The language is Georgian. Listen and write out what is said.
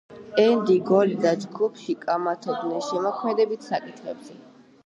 ენდი გილი და ჯგუფი კამათობდნენ შემოქმედებით საკითხებზე.